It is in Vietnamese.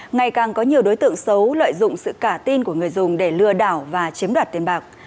ngày càng có nhiều đối tượng xấu lợi dụng sự cả tin của người dùng để lừa đảo và chiếm đoạt tiền bạc